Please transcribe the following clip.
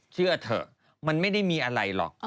เชื่อเถอะมันไม่ได้มีอะไรหรอก